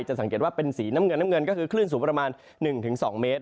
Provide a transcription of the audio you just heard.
สังเกตว่าเป็นสีน้ำเงินน้ำเงินก็คือคลื่นสูงประมาณ๑๒เมตร